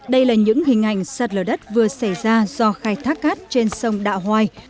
đây là những hình ảnh sạt lở đất vừa xảy ra do khai thác cát trên sông đạo hoài